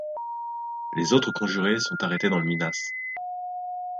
Les autres conjurés sont arrêtés dans le Minas.